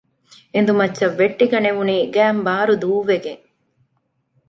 އެނދު މައްޗަށް ވެއްޓިގަނެވުނީ ގައިން ބާރު ދޫވެގެން